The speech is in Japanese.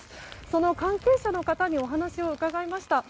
その関係者の方にお話を伺いました。